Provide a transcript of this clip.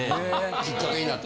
きっかけになって。